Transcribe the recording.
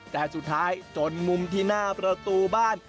แต่สุดท้ายจนมุมที่หน้าประตูบ้าน